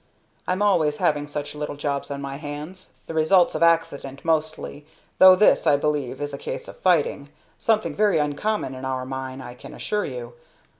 I'm always having such little jobs on my hands, the results of accident, mostly, though this, I believe, is a case of fighting, something very uncommon in our mine, I can assure you.